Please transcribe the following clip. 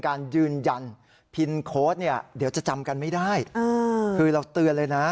คือเราเตือนเลยนะ